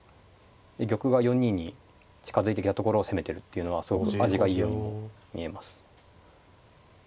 玉が４二に近づいてきたところを攻めてるっていうのはすごく味がいいようにも見えます。